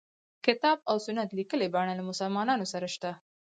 کتاب او سنت لیکلي بڼه له مسلمانانو سره شته.